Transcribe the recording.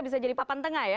bisa jadi papan tengah ya